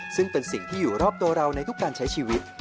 ซึ่งเป็นสิ่งที่อยู่รอบตัวเราในทุกการใช้ชีวิต